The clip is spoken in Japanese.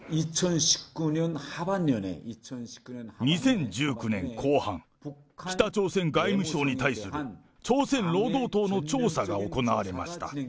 ２０１９年後半、北朝鮮外務省に対する朝鮮労働党の調査が行われました。